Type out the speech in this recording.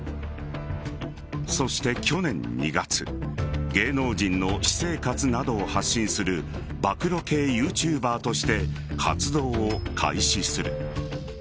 そして去年２月芸能人の私生活などを発信する暴露系ＹｏｕＴｕｂｅｒとして活動を開始する。